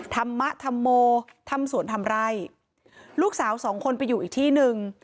ธรรมธรรโมทำสวนทำไร่ลูกสาวสองคนไปอยู่อีกที่หนึ่ง